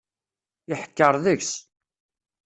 Iḥekker deg-s.